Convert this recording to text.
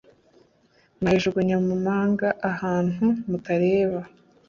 nayijugunya mumanga ahantu mutareba